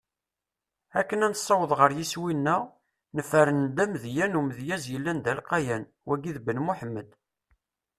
Akken ad nessaweḍ ɣer yiswi-neɣ, nefren-d amedya n umedyaz yellan d alqayan: Wagi d Ben Muḥemmed.